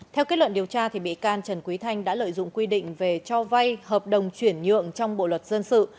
theo kết luận điều tra bị can trần quý thanh đã lợi dụng quy định về cho vay hợp đồng chuyển nhượng trong bộ luật dân sự